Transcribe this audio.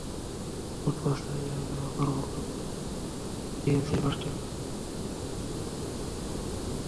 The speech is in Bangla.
ফুটপাত স্থায়ীভাবে হকারমুক্ত করতে ডিএনসিসির পাঁচটি অঞ্চলে হলিডে মার্কেট করার জায়গা খোঁজা হচ্ছে।